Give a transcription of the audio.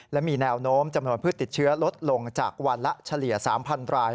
และมีแนวโน้มจำนวนผู้ติดเชื้อลดลงจากวันละเฉลี่ย๓๐๐ราย